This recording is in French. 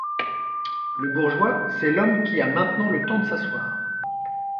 Le bourgeois, c’est l’homme qui a maintenant le temps de s’asseoir.